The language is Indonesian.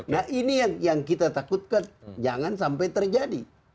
nah ini yang kita takutkan jangan sampai terjadi